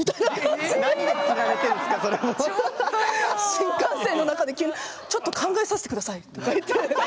新幹線の中で急に「ちょっと考えさせてください」とか言って。